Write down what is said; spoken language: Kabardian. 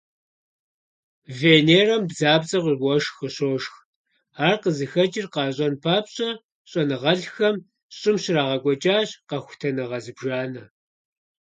Венерэм бдзапцIэ уэшх къыщошх. Ар къызыхэкIыр къащIэн папщIэ щIэныгъэлIхэм ЩIым щрагъэкIуэкIащ къэхутэныгъэ зыбжанэ.